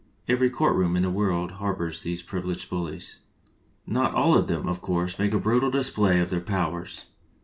Every court room in the world harbors these privi leged bullies. Not all of them, of course, make a brutal display of their powers.